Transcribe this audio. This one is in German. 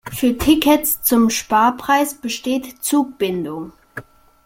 Für Tickets zum Sparpreis besteht Zugbindung.